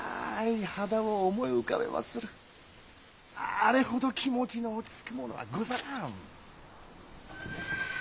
あれほど気持ちの落ち着くものはござらん。